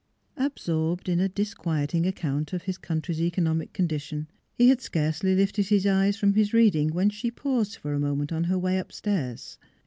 Absorbed in a disquieting account of his country's economic condition, he had scarcely lifted his eyes from his reading when she paused for a moment on her way upstairs.